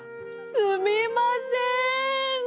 すみません！